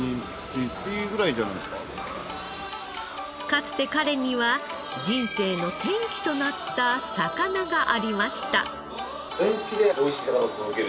かつて彼には人生の転機となった魚がありました。